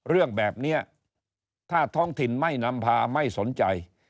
เรื่องแบบนี้ถ้าท้องถิ่นไม่นำพาไม่สนใจ